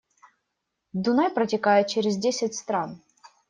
Дунай протекает через десять стран